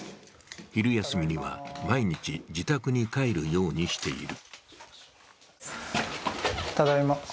昼休みには、毎日自宅に帰るようにしている。